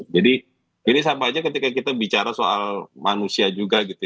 jadi ini sama saja ketika kita bicara soal manusia juga